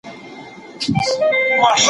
که پښتو ژبه وي، نو د کلتور ورکاوي به نشته.